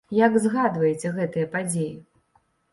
Як згадваеце гэтыя падзеі?